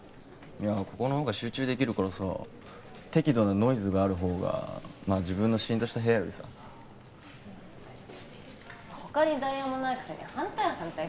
いやここのほうが集中できるからさ適度なノイズがあるほうがまあ自分のシーンとした部屋よりさ他に代案もないくせに反対反対